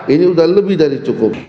ini sudah lebih dari cukup